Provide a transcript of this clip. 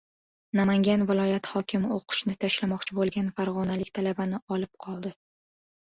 Namangan viloyati hokimi o‘qishni tashlamoqchi bo‘lgan farg‘onalik talabani "olib qoldi"